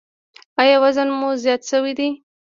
ایا وزن مو زیات شوی دی؟